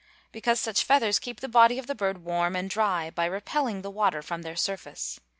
_ Because such feathers keep the body of the bird warm and dry, by repelling the water from their surface.